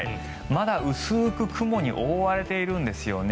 まだ薄く雲に覆われているんですよね。